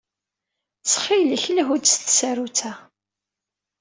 Ttxil-k, lhu-d s tsarut-a.